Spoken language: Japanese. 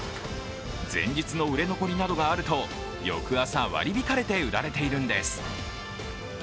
前日の売れ残りなどがあると翌朝、割り引かれて売られているんです。